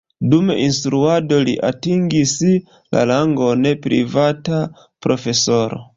Dum instruado li atingis la rangon privata profesoro.